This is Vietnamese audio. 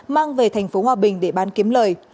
mang về tp hcm để bán kiếm lời